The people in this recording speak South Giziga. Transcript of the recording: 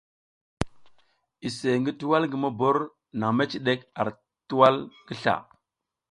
Iseʼe ngi tuwal ngi mobor nang mecidek ar tuwal ngi sla.